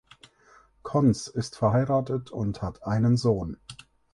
Conz ist verheiratet und hat einen Sohn.